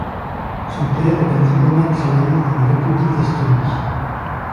Son père est un diplomate travaillant pour la République d'Estonie.